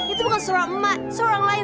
itu bukan suara emak suara orang lain